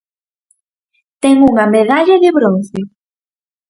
Ten unha medalla de bronce.